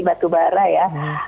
batu bara ya